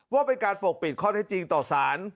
ว่าเป็นการปกปิดข้อเท็จจริงต่อสาร